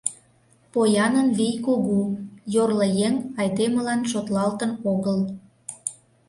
Поянын вий кугу, йорло еҥ айдемылан шотлалтын огыл.